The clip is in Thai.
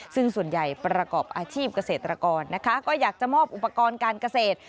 ซึ่งส่วนใหญ่ประกอบอาชีพเกษตรกรนะคะก็อยากจะมอบอุปกรณ์การเกษตร